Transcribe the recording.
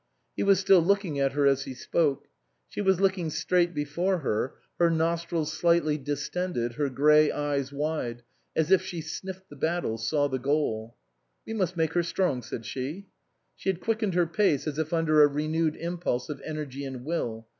He was still looking at her as he spoke. She was looking straight before her, her nostrils slightly distended, her grey eyes wide, as if she sniffed the battle, saw the goal. " We must make her strong," said she. She had quickened her pace as if under a renewed impulse of energy and will.